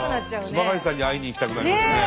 津曲さんに会いに行きたくなりますね。